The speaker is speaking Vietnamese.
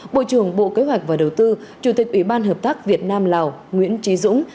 bộ trưởng bộ kế hoạch và đầu tư chủ tịch ủy ban hợp tác việt nam lào nguyễn trí dũng